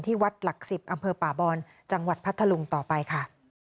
วัดหลัก๑๐อำเภอป่าบอนจังหวัดพัทธลุงต่อไปค่ะ